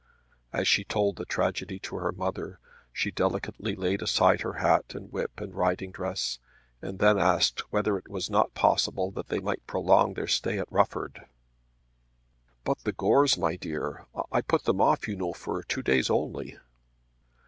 As she told the tragedy to her mother, she delicately laid aside her hat and whip and riding dress, and then asked whether it was not possible that they might prolong their stay at Rufford. "But the Gores, my dear! I put them off, you know, for two days only."